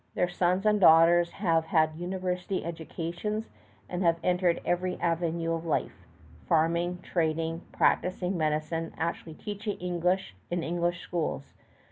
Their sons and daughters have had university educations and have entered every avenue of life, farming, trading, practicing medicine, actually teaching English in English schools.